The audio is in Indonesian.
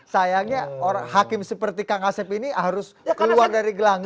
sayangnya hakim seperti kang asep ini harus keluar dari gelangga